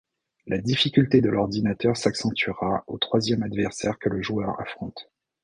La difficulté de l'ordinateur s'accentuera au troisième adversaire que le joueur affronte.